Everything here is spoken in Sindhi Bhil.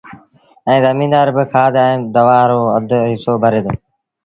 ائيٚݩ زميݩدآر با کآڌ ائيٚݩ دوآ رو اڌ هسو ڀري دو